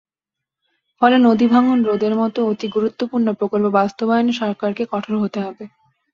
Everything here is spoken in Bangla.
ফলে নদীভাঙন রোধের মতো অতি গুরুত্বপূর্ণ প্রকল্প বাস্তবায়নে সরকারকে কঠোর হতে হবে।